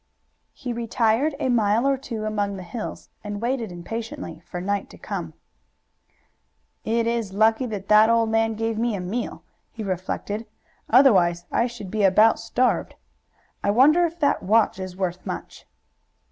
He retired a mile or two among the hills, and waited impatiently for night to come. "It is lucky that the old man gave me a meal," he reflected, "otherwise I should be about starved. I wonder if that watch is worth much."